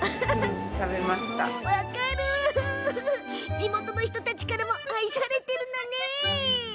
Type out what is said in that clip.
地元の人たちからも愛されているのね。